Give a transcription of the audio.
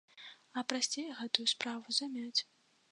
А прасцей гэтую справу замяць.